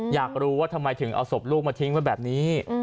อยากรู้ว่าทำไมถึงเอาศพลูกมาทิ้งไว้แบบนี้